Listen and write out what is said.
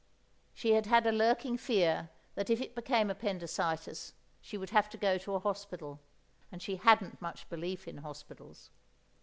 She had had a lurking fear that if it became appendicitis, she would have to go to a hospital, and she hadn't much belief in hospitals.